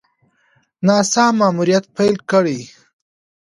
ناسا ماموریت پیل کړی.